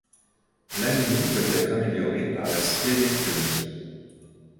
L'anémie peut être améliorée par la splénectomie.